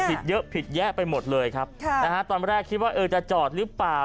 เยอะผิดแยะไปหมดเลยครับค่ะนะฮะตอนแรกคิดว่าเออจะจอดหรือเปล่า